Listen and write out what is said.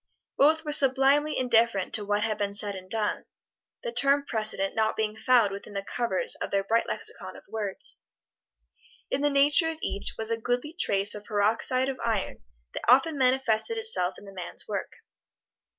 Both were sublimely indifferent to what had been said and done the term precedent not being found within the covers of their bright lexicon of words. In the nature of each was a goodly trace of peroxide of iron that often manifested itself in the man's work.